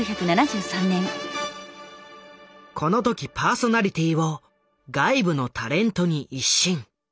この時パーソナリティーを外部のタレントに一新。